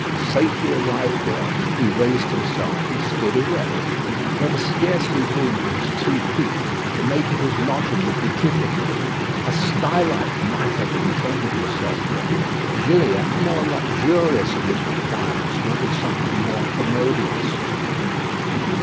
Safely arrived there, he raised himself and stood erect. There was scarcely room for his two feet. To make it his lodging would be difficult. A Stylite might have contented himself there; Gilliatt, more luxurious in his requirements, wanted something more commodious.